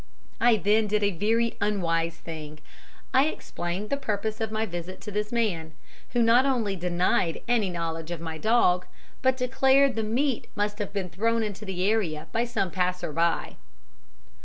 I then did a very unwise thing I explained the purpose of my visit to this man, who not only denied any knowledge of my dog, but declared the meat must have been thrown into the area by some passer by.